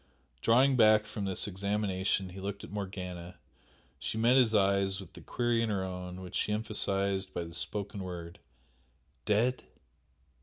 Drawing back from this examination he looked at Morgana, she met his eyes with the query in her own which she emphasised by the spoken word "Dead?"